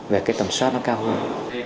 về cái tầm soát nó cao hơn